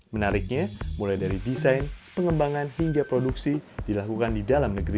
menariknya mulai dari desain pengembangan hingga produksi dilakukan di dalam negeri